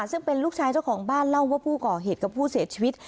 ซึ่งเป็นลูกชายเจ้าของบ้านเล่าว่าผู้ก่อเหตุกับผู้เสียชีวิต